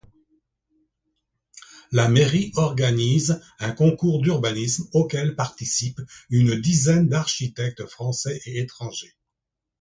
La mairie organise un concours d'urbanisme auquel participent une dizaine d'architectes français et étrangers.